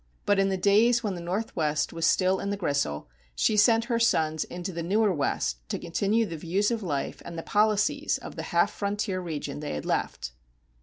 But in the days when the Northwest was still in the gristle, she sent her sons into the newer West to continue the views of life and the policies of the half frontier region they had left.